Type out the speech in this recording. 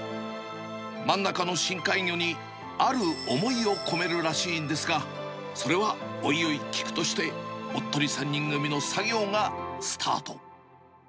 真ん中の深海魚に、ある思いを込めるらしいんですが、それはおいおい聞くとして、おっとり３人組の作業がスタート。